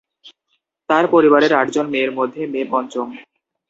তার পরিবারের আটজন মেয়ের মধ্যে মে পঞ্চম।